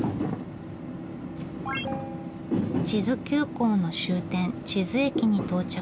智頭急行の終点智頭駅に到着。